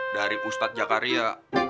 dari ustadz jakaria